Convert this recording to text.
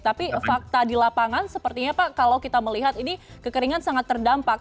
tapi fakta di lapangan sepertinya pak kalau kita melihat ini kekeringan sangat terdampak